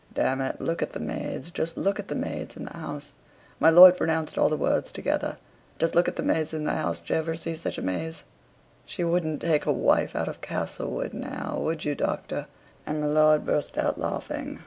D it, look at the maids just look at the maids in the house" (my lord pronounced all the words together just look at the maze in the house: jever see such maze?) "You wouldn't take a wife out of Castlewood now, would you, Doctor?" and my lord burst out laughing.